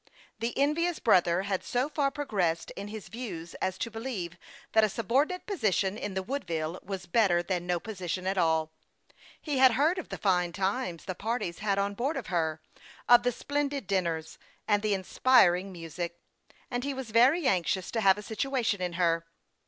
The envious brother had so far progressed in his views as to believe that a subordinate position in the Woodville was better than no position at all. 262 HASTE AND WASTE, OK He had heard of the fine times the parties had on board of her, of the splendid dinners, and the in spiring music ; and he was very anxious to have a situation in her.